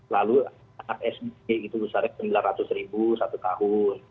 lalu anak sd itu usarnya rp sembilan ratus satu tahun